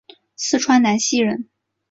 四川南溪人。